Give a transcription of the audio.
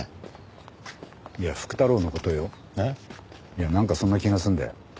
いやなんかそんな気がするんだよ。